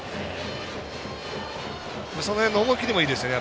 その辺の思い切りもいいですよね。